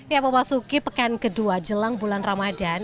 ya bapak suki pekan kedua jelang bulan ramadan